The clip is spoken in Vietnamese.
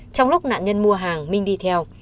trong lúc nạn nhân mua hàng minh đi theo